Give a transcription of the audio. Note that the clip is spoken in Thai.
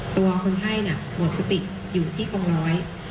ตัวคนไทยหมดสติอยู่ที่กรงร้อย